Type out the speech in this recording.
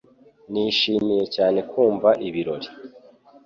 Nishimiye cyane kumva ibirori